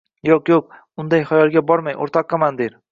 — Yo‘q, yo‘q, unday xayolga bormang, o‘rtoq komandir